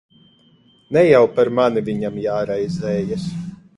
Ne jau par mani viņam jāraizējas.